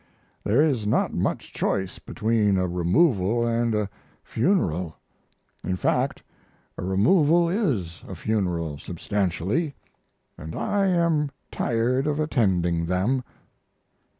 There is not much choice between a removal & a funeral; in fact, a removal is a funeral, substantially, & I am tired of attending them.